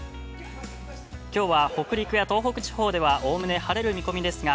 きょうは北陸や東北地方ではおおむね晴れる見込みですが。